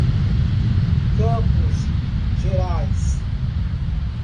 Campos Gerais